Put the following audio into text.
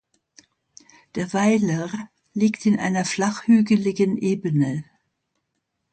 Der Weiler liegt in einer flachhügeligen Ebene.